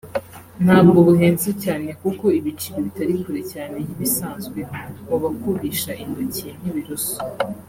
ntabwo buhenze kuko ibiciro bitari kure cyane y’ibisanzwe mu bakubisha intoki n’ibiroso